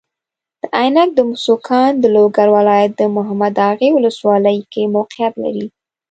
د عینک د مسو کان د لوګر ولایت محمداغې والسوالۍ کې موقیعت لري.